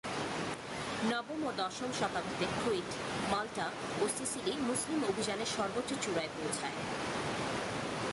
নবম ও দশম শতাব্দীতে ক্রিট, মাল্টা ও সিসিলি মুসলিম অভিযান সর্বোচ্চ চূড়ায় পৌছায়।